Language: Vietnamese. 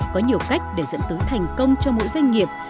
có nhiều cách để dẫn tới thành công cho mỗi doanh nghiệp